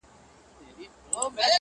خداى دي ساته له بــېـلــتــــونـــــه_